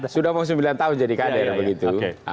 sudah mau sembilan tahun jadi kader begitu